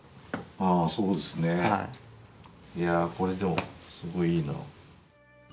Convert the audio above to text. ああ、そうですねいや、これでも、すごいいいな。